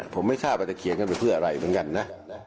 ผมไม่ทราบว่าจะเขียนกันไปเพื่ออะไรเหมือนกันนะ